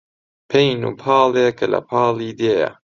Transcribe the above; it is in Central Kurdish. پەین و پاڵێ کە لە پاڵی دێیە